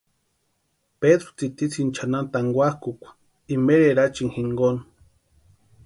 Pedru tsitisïnti chʼanani tankwakʼukwa imeeri erachini jinkoni.